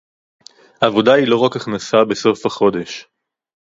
עבודה היא לא רק הכנסה בסוף החודש